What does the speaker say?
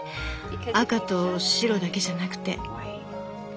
赤と白だけじゃなくて。